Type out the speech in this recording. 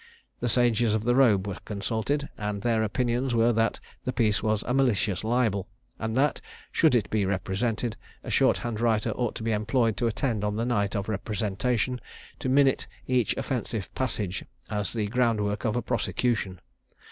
The sages of the robe were consulted, and their opinions were that the piece was a malicious libel; and that, should it be represented, a short hand writer ought to be employed to attend on the night of representation, to minute each offensive passage, as the groundwork of a prosecution.